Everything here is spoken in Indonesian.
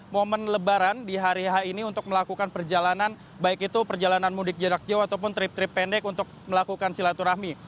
momen lebaran di hari h ini untuk melakukan perjalanan baik itu perjalanan mudik jarak jauh ataupun trip trip pendek untuk melakukan silaturahmi